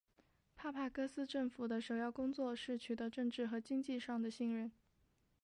帕帕戈斯政府的首要工作是取得政治和经济上的信任。